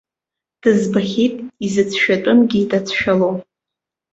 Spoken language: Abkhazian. Дызбахьеит изыцәшәатәымгьы дацәшәало.